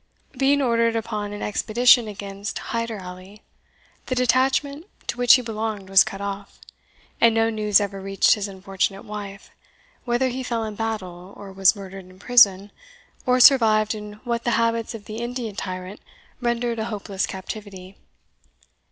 Being ordered upon an expedition against Hyder Ally, the detachment to which he belonged was cut off, and no news ever reached his unfortunate wife, whether he fell in battle, or was murdered in prison, or survived in what the habits of the Indian tyrant rendered a hopeless captivity.